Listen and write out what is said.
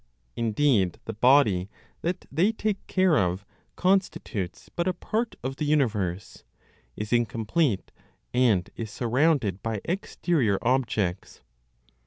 Indeed, the body that they take care of constitutes but a part of the universe, is incomplete, and is surrounded by exterior objects.